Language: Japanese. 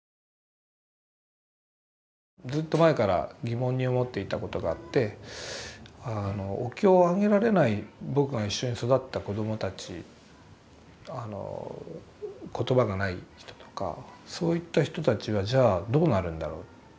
ずっと前から疑問に思っていたことがあってあのお経をあげられない僕が一緒に育った子どもたちあの言葉がない人とかそういった人たちはじゃあどうなるんだろう。